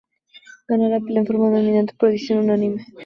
Ganó la pelea en forma dominante por decisión unánime.